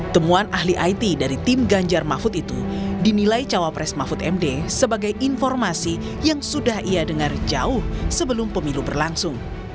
temuan ahli it dari tim ganjar mahfud itu dinilai cawapres mahfud md sebagai informasi yang sudah ia dengar jauh sebelum pemilu berlangsung